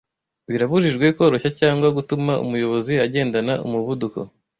Birabujijwe koroshya cyangwa gutuma umuyobozi agendana umuvuduko